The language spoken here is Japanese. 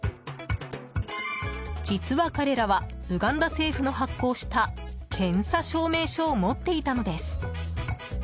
実は、彼らはウガンダ政府の発行した検査証明書を持っていたのです。